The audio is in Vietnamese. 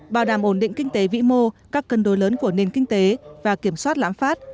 bảo đảm ổn định kinh tế vĩ mô các cân đối lớn của nền kinh tế và kiểm soát lãm phát